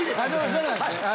そうなんですね。